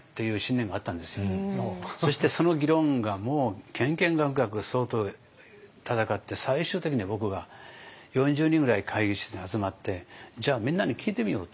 そしてその議論がもうけんけんがくがく相当戦って最終的に僕が４０人ぐらい会議室に集まってじゃあみんなに聞いてみようと。